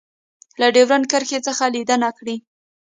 له ډیورنډ کرښې څخه لیدنه کړې